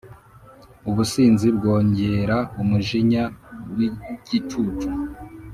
Ubusinzi bwongera umujinya w’igicucu,